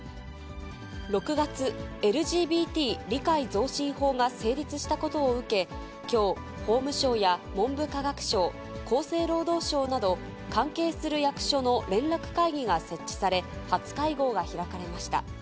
６月、ＬＧＢＴ理解増進法が成立したことを受け、きょう、法務省や文部科学省、厚生労働省など、関係する役所の連絡会議が設置され、初会合が開かれました。